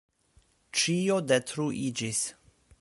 Ĉio detruiĝis.